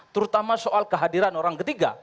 terutama soal kehadiran orang ketiga